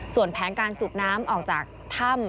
ส่วนแผนการสูบน้ำออกจากถ้ำ